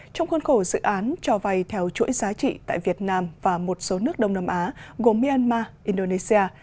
trong khuôn khổ dự án cho vay theo chuỗi giá trị tại việt nam và một số nước đông nam á gồm myanmar indonesia